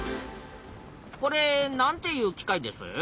これなんていう機械です？